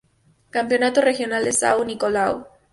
Campeonato regional de São Nicolau